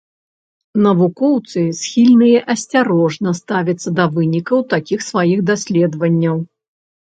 Навукоўцы схільныя асцярожна ставіцца да вынікаў такіх сваіх даследаванняў.